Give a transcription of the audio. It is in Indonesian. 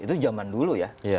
itu zaman dulu ya